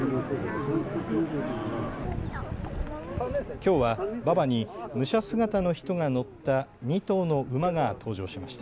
きょうは馬場に武者姿の人が乗った２頭の馬が登場しました。